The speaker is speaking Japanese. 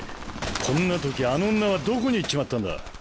こんな時あの女はどこに行っちまったんだ？